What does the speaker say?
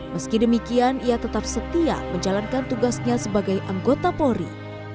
meski demikian ia tetap setia menjalankan tugasnya sebagai anggota polri